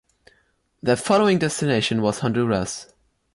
Their following destination was Honduras.